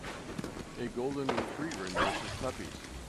A golden retriever nurses puppies.